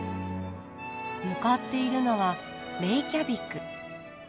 向かっているのはレイキャビク。